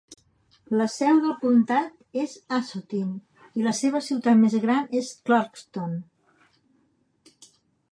La seu del comtat és Asotin, i la seva ciutat més gran és Clarkston.